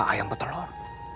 usaha ayam petelur